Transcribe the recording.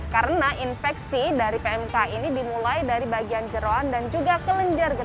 karena infeksi dari pmk ini dimulai dari bagian jerawan dan juga kelenjaran